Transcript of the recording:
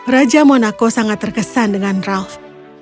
raja monaco sangat terkesan dengan ralf